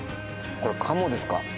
これ、カモですか？